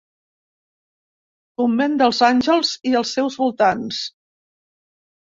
Convent dels Àngels i els seus voltants.